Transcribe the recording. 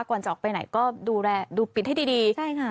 ก่อนจะออกไปไหนก็ดูปิดให้ดี